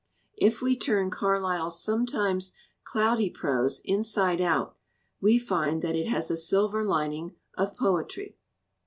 If we turn Carlyle's sometimes cloudy prose inside out we find that it has a silver lining of poetry.